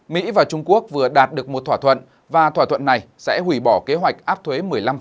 mỹ và trung quốc vừa đạt được một thỏa thuận và thỏa thuận này sẽ hủy bỏ kế hoạch áp thuế một mươi năm